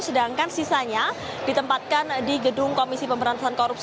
sedangkan sisanya ditempatkan di gedung komisi pemberantasan korupsi